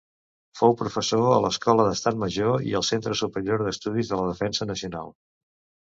Fou professor a l'Escola d'Estat Major i al Centre Superior d'Estudis de la Defensa Nacional.